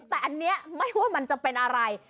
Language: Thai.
แต่อันนี้ไม่ว่ามันจะเป็นอะไร